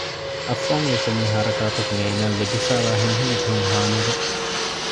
އައްފާންގެ ކޮންމެ ހަރަކާތަކުން އޭނާއަށް ލިބިފައިވާ ހިތްހަމަޖެހުން ހާމަވެ